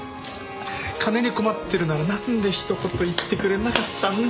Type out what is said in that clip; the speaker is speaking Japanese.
金に困ってるならなんでひと言言ってくれなかったんだよ。